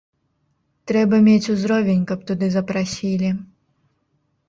Трэба мець узровень, каб туды запрасілі.